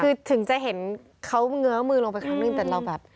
คือถึงจะเห็นเขาเงื้อมือลงไปครั้งนึงแต่เราแบบ